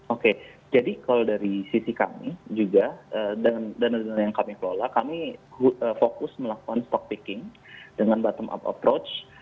oke jadi kalau dari sisi kami juga dana dana yang kami kelola kami fokus melakukan stockpicking dengan bottom up approach